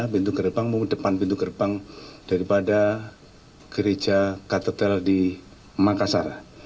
pintu gerbang maupun depan pintu gerbang daripada gereja katetel di makassar